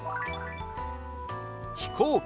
「飛行機」。